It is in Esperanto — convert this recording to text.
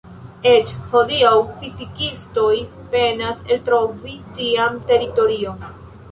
Eĉ hodiaŭ fizikistoj penas eltrovi tian teorion.